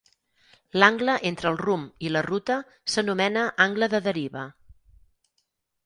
L'angle entre el rumb i la ruta s'anomena angle de deriva.